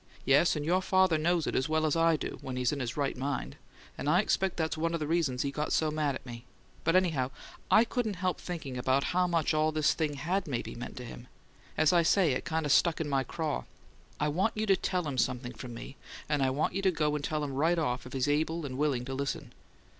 Yes, and your father knows it as well as I do, when he's in his right mind; and I expect that's one of the reasons he got so mad at me but anyhow, I couldn't help thinking about how much all this thing HAD maybe meant to him; as I say, it kind of stuck in my craw. I want you to tell him something from me, and I want you to go and tell him right off, if he's able and willing to listen.